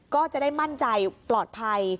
ก็จะได้มั่นใจปลอดภัย